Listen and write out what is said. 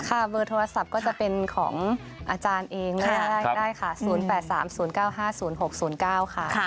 เบอร์โทรศัพท์ก็จะเป็นของอาจารย์เองได้ค่ะ๐๘๓๐๙๕๐๖๐๙ค่ะ